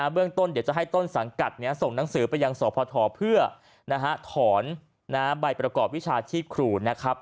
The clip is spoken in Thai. เรื่องต้นเดี๋ยวจะให้ต้นสังกัดส่งหนังสือไปยังสพเพื่อถอนใบประกอบวิชาชีพครูนะครับ